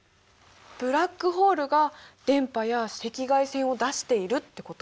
ブラックホールが電波や赤外線を出しているってこと？